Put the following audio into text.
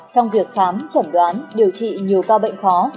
trong việc khám chẩn đoán điều trị nhiều ca bệnh khó